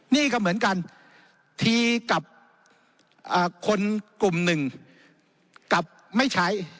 นี่ก็เหมือนกันทีกับคนกลุ่มหนึ่งกลับไม่ใช้